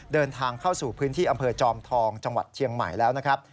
เดินทางเข้าสู่พื้นที่อำเภอจอมทองจังหวัดเชียงใหม่แล้วนะครับ